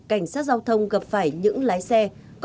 cảnh sát giao thông gặp phải những lái xe